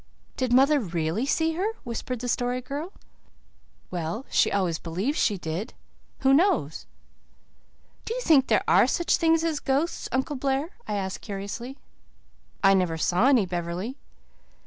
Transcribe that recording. "Did mother really see her?" whispered the Story Girl. "Well, she always believed she did. Who knows?" "Do you think there are such things as ghosts, Uncle Blair?" I asked curiously. "I never saw any, Beverley."